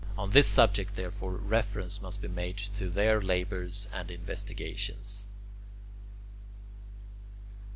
On this subject, therefore, reference must be made to their labours and investigations.